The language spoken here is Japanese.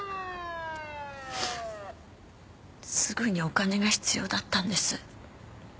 すぐにお金が必要だったんです。